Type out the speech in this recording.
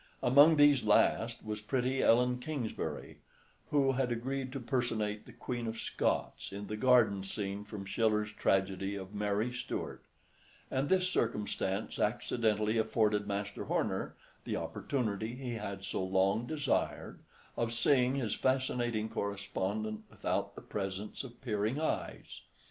Among these last was pretty Ellen Kingsbury, who had agreed to personate the Queen of Scots, in the garden scene from Schiller's tragedy of Mary Stuart; and this circumstance accidentally afforded Master Horner the opportunity he had so long desired, of seeing his fascinating correspondent without the presence of peering eyes.